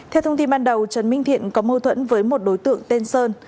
theo thông tin ban đầu trần minh thiện có mâu thuẫn với một đối tượng tên sơn